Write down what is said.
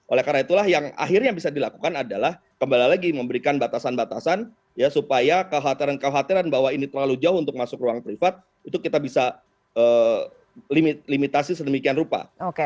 oleh karena itulah yang akhirnya bisa dilakukan adalah kembali lagi memberikan batasan batasan ya supaya kekhawatiran kekhawatiran bahwa ini terlalu jauh untuk masuk ruang privat itu kita bisa limitasi sedemikian rupa